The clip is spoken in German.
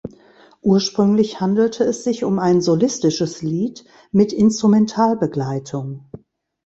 Ursprünglich handelte es sich um ein solistisches Lied mit Instrumentalbegleitung.